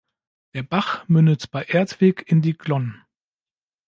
Der Bach mündet bei Erdweg in die Glonn.